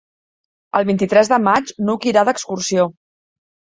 El vint-i-tres de maig n'Hug irà d'excursió.